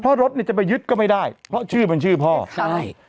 เพราะรถเนี่ยจะไปยึดก็ไม่ได้เพราะชื่อมันชื่อพ่อใช่